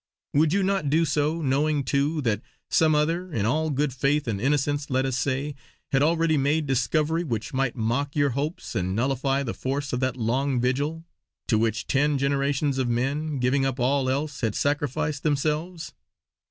Would you not do so, knowing, too, that some other in all good faith and innocence let us say had already made discovery which might mock your hopes and nullify the force of that long vigil, to which ten generations of men, giving up all else, had sacrificed themselves?